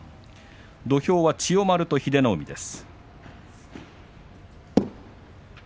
土俵は千代丸と英乃海です。